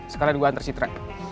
sekalian gue antar citra